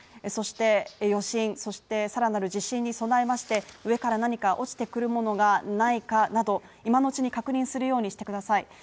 そして余震そしてさらなる地震に備えまして、上から何か落ちてくるものがないかなど今のうちに確認するようにしてください